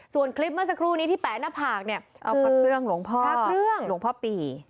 ส่วนคลิปเมื่อสักครู่นี้ที่แปะหน้าผากเนี่ยเอาพระเครื่องหลวงพ่อพระเครื่องหลวงพ่อปี